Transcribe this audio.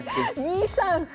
２三歩。